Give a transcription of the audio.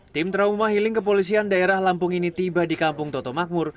tim trauma healing kepolisian daerah lampung ini tiba di kampung toto makmur